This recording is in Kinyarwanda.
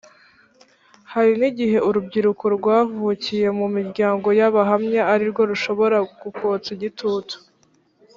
hari n igihe urubyiruko rwavukiye mu miryango y abahamya ari rwo rushobora kukotsa igitutu